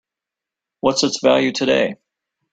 What's its value today?